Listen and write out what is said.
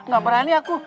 gak berani aku